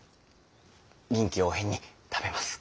臨機応変に食べます。